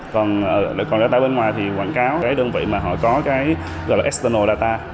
còn data bên ngoài thì quảng cáo cái đơn vị mà họ có cái gọi là external data